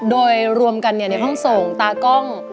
โดยรวมกันในห้องส่งตากล้อง